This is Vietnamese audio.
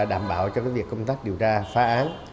đảm bảo cho công tác điều tra phá án